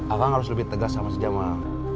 apakah harus lebih tegas sama si jamal